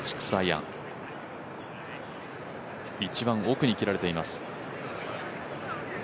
一番奥にきられています。